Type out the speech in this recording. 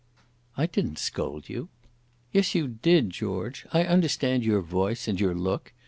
"I didn't scold you." "Yes you did, George. I understand your voice and your look.